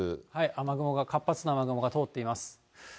雨雲が、活発な雨雲が通っています。